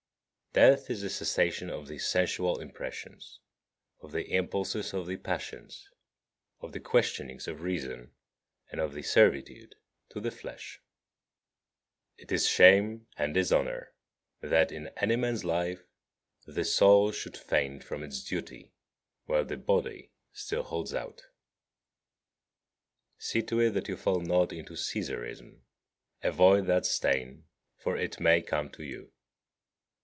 28. Death is the cessation of the sensual impressions, of the impulses of the passions, of the questionings of reason, and of the servitude to the flesh. 29. It is shame and dishonour that, in any man's life, the soul should faint from its duty while the body still holds out. 30. See to it that you fall not into Caesarism: avoid that stain, for it may come to you.